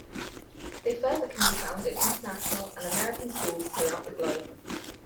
They further can be found in international and American schools throughout the globe.